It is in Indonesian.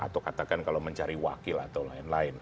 atau katakan kalau mencari wakil atau lain lain